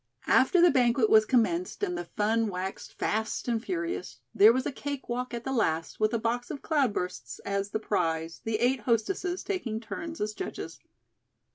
After the banquet was commenced and the fun waxed fast and furious, there was a cakewalk at the last, with a box of "cloud bursts" as the prize, the eight hostesses taking turns as judges.